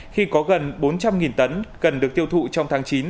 khi có gần bốn trăm linh tấn cần được tiêu thụ trong tháng chín